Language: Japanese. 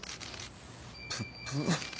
プップッ。